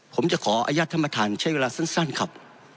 ผมจะขออนุญาตท่านประธานใช้เวลาสั้นครับ